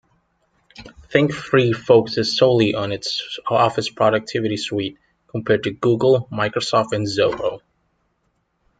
ThinkFree focuses solely on its office productivity suite compared to Google, Microsoft, and Zoho.